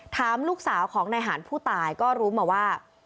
ถามลูกสาวของนายหารผู้ตายก็รู้มาว่า